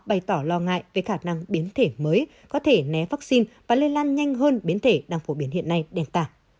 bày tỏ lo ngại về khả năng biến thể mới có thể né vaccine và lây lan nhanh hơn biến thể đang phổ biến hiện nay đèn tả